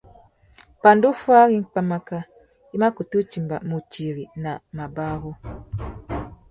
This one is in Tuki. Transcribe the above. Pandú fôwari pwámáká, i mà kutu timba mutiri na mabarú.